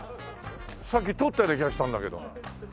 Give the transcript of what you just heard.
さっき通ったような気がしたんだけど。